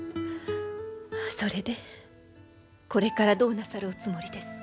それでこれからどうなさるおつもりです？